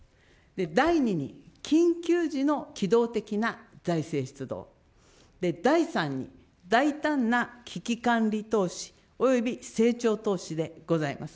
第２に緊急時の機動的な財政出動、第３に大胆な危機管理投資および成長投資でございます。